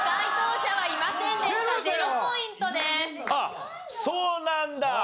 あっそうなんだ。